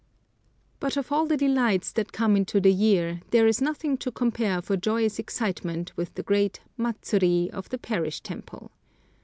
But of all the delights that come into the year, there is nothing to compare for joyous excitement with the great matsuri of the parish temple.